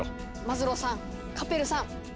マズローさんカペルさん。